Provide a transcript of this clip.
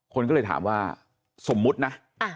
คนก็เลยถามว่าสมมุตินะ